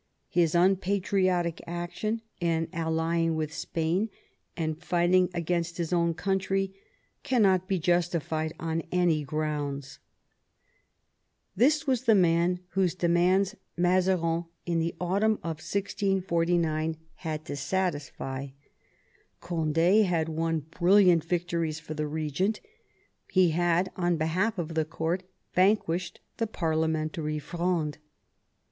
His unpatriotic action in allying with Spain and fighting against his own country cannot be justified on any grounds. This was the man whose demands Mazarin in the autumn of 1649 had to satisfy. Cond^ had won brilliant victories for the regent ; he had, on behalf of the court, vanquished the Parliamentary Fronde.